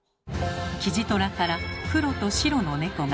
キジトラから黒と白の猫が。